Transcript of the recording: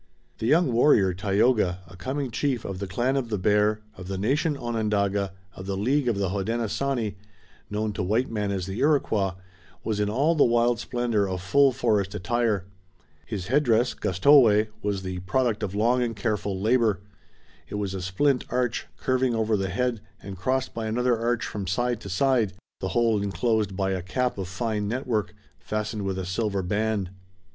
The young warrior, Tayoga, a coming chief of the clan of the Bear, of the nation Onondaga, of the League of the Hodenosaunee, known to white men as the Iroquois, was in all the wild splendor of full forest attire. His headdress, gustoweh, was the product of long and careful labor. It was a splint arch, curving over the head, and crossed by another arch from side to side, the whole inclosed by a cap of fine network, fastened with a silver band.